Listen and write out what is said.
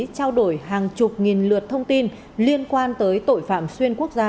trao đổi hàng chục nghìn lượt thông tin liên quan tới tội phạm xuyên quốc gia